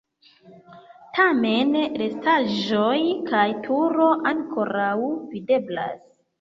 Tamen restaĵoj kaj turo ankoraŭ videblas.